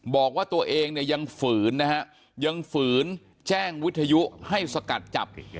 บอกว่าตัวเองยังฝืนยังฝืนแจ้งวิทยุให้สกัดจับ